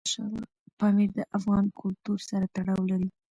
پامیر د افغان کلتور سره تړاو لري.